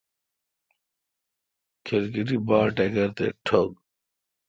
کھلکیٹی باڑٹکَِر تے ٹھو°گ ۔